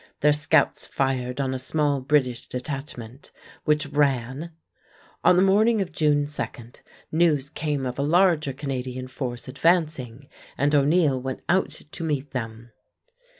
Their scouts fired on a small British detachment, which ran. On the morning of June 2 news came of a larger Canadian force advancing, and O'Neill went out to meet them.